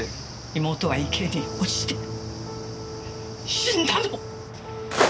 妹は池に落ちて死んだの！